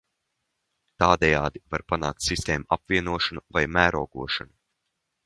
Tādējādi var panākt sistēmu apvienošanu vai mērogošanu.